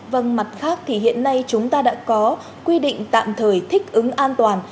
vâng mặt khác thì hiện nay chúng ta đã có quy định tạm thời thích ứng an toàn